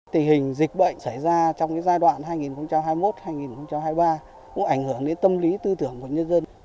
tình hình dịch bệnh xảy ra trong giai đoạn hai nghìn hai mươi một hai nghìn hai mươi ba cũng ảnh hưởng đến tâm lý tư tưởng của nhân dân